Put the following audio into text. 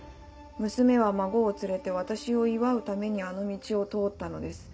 娘は孫を連れて私を祝うためにあの道を通ったのです。